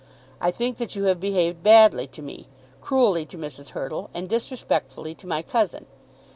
I think that you have behaved badly to me, cruelly to Mrs. Hurtle, and disrespectfully to my cousin.